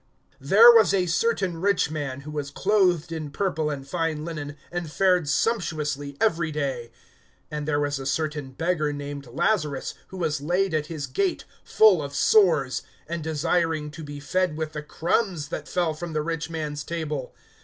(19)There was a certain rich man, who was clothed in purple and fine linen, and fared sumptuously every day. (20)And there was a certain beggar named Lazarus, who was laid at his gate, full of sores, (21)and desiring to be fed with the crumbs that fell from the rich man's table.